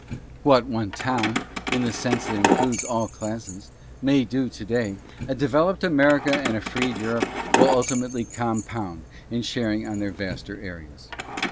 What one town, in the sense that includes all classes, may do to day, a developed America and a freed Europe will ultimately compound in sharing on their vaster areas.